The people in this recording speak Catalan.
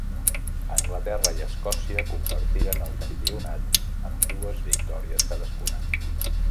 Anglaterra i Escòcia compartiren el campionat amb dues victòries cadascuna.